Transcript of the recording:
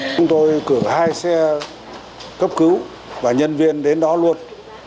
chúng tôi cử hai xe cấp cứu và nhân viên đến đó luôn